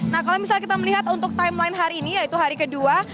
nah kalau misalnya kita melihat untuk timeline hari ini yaitu hari kedua